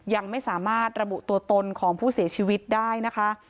ยังไม่สามารถระบุตัวตนของผู้เสียชีวิตได้นะคะ